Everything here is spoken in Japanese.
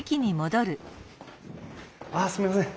あすみません。